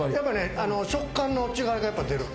食感の違いが出る。